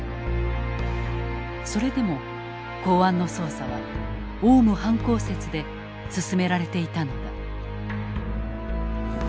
それでも公安の捜査はオウム犯行説で進められていたのだ。